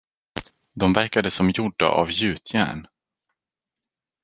De verkade som gjorda av gjutjärn.